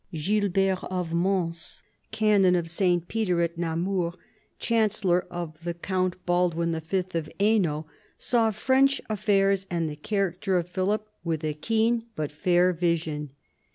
Gilbert of Mons, canon of S. Peter at Namur, chancellor of the count Baldwin V. of Hainault, saw French* affairs and the character of Philip with a keen but fair vision.